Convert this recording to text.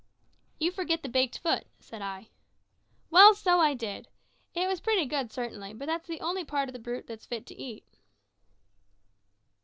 "You forget the baked foot," said I. "Well, so I did. It was pretty good, certainly; but that's the only part o' the brute that's fit to eat."